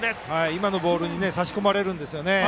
今のボールに差し込まれるんですよね。